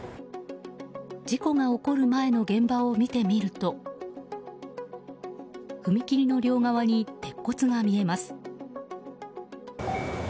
事故が起こる前の現場を見てみると踏切の両側に鉄骨が見えます。